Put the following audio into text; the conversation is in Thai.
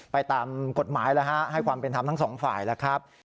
ไปตามกฎหมายแล้วฮะให้ความเป็นธรรมทั้งสองฝ่ายแล้วครับ